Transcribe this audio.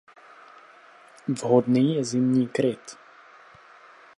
Vhodný je zimní kryt.